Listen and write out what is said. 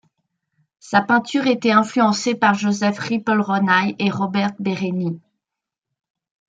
Sa peinture était influencée par József Rippl-Rónai et Róbert Berény.